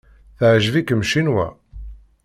Teɛjeb-ikem Ccinwa?